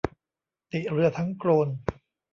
ติเรือทั้งโกลน